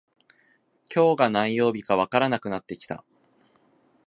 今日が何曜日かわからなくなってきた